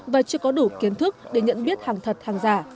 và chưa có đủ kiến thức để nhận biết hàng thật hàng giả